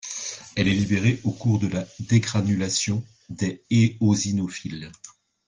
Elle est libérée au cours de la dégranulation des éosinophiles.